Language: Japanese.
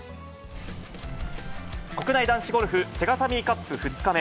国内男子ゴルフ、セガサミーカップ２日目。